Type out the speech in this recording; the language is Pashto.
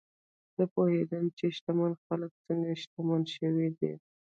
زه پوهېدم چې شتمن خلک څنګه شتمن شوي دي.